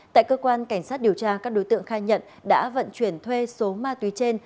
tại cơ quan cảnh sát điều tra các đối tượng khai nhận đã vận chuyển thuê số ma túy trên